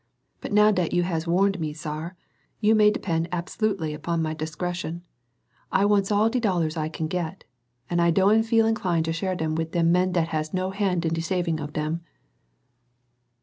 But now dat you has warned me, sar, you may depend abs'lutely upon my discresshun. I wants all de dollars I can git; and I doan' feel inclined to share dem wid men dat has had no hand in de saving of dem."